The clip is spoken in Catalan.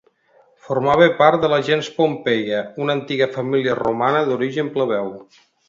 Formava part de la gens Pompeia, una antiga família romana d'origen plebeu.